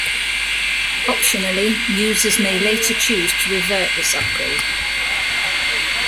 Optionally, users may later choose to revert this upgrade.